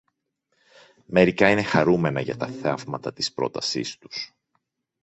Μερικά είναι χαρούμενα για τα θαύματα της πρότασής τους